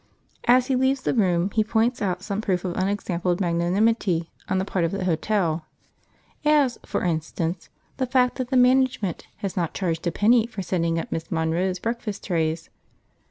As he leaves the room he points out some proof of unexampled magnanimity on the part of the hotel; as, for instance, the fact that the management has not charged a penny for sending up Miss Monroe's breakfast trays.